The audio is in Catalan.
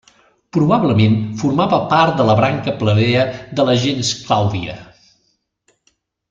Probablement formava part de la branca plebea de la gens Clàudia.